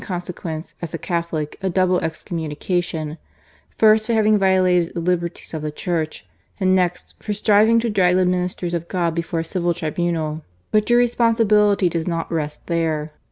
consequence, as a Catholic, a double excommunica* tion : first, for having violated the liberties of the Church, and next, for striving to drag the ministers of God before a civil tribunal. But your responsi bility does not rest there.